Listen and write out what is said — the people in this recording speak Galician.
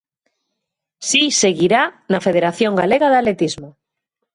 Si seguirá na Federación Galega de Atletismo.